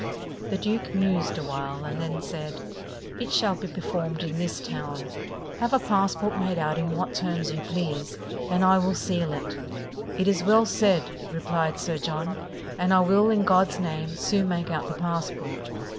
The duke mused awhile, and then said: "It shall be performed in this town: have a passport made out in what terms you please, and I will seal it." "It is well said," replied Sir John; "and I will, in God's name, soon make out the passport."